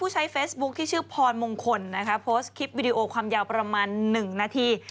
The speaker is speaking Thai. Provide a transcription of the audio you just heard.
ใช้เฟซบุ๊คที่ชื่อพรมงคลนะคะโพสต์คลิปวิดีโอความยาวประมาณ๑นาที